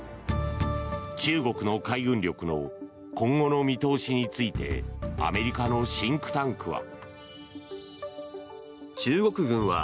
中国の海軍力の今後の見通しについてアメリカのシンクタンクは。